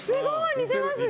似てますね！